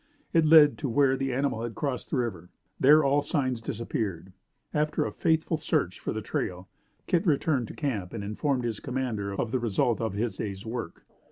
It led to where the animal had crossed the river. There, all signs disappeared. After a faithful search for the trail, Kit returned to camp, and informed his commander of the result of his day's work.